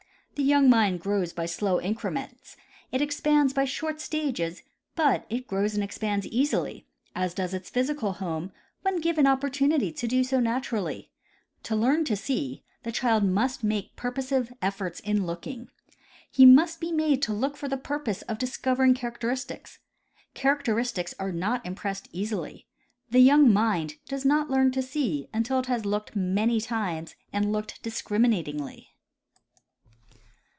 The young mind grows by slow increments ; it exjaands by short stages, but it grows and ex Study of Plants. 139 panels easily, as does its physical home when given opportunity to do so naturally. To learn to see, the child must make pur posive efforts in looking. He must be made to look for the purpose of discovering characteristics. Characteristics are not impressed easily. The young mind does not learn to see until it has looked many times and looked discriminatingly.